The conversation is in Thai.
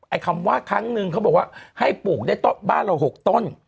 คำว่าครั้งนึงเขาบอกว่าให้ปลูกได้บ้านเรา๖ต้น